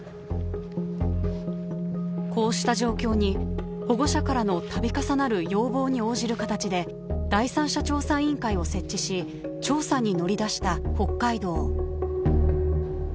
こうした状況に保護者からの度重なる要望に応じる形で第三者調査委員会を設置し調査に乗り出した北海道。